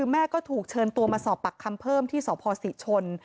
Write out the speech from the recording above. แม่ถึงเชิญตัวมาสอบปักคำเพิ่มที่สศิษย์ชน